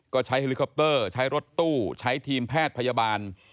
ก็ใช้เฮลิคอปเตอร์ใช้รถตู้ใช้ทีมแพทย์พยาบาล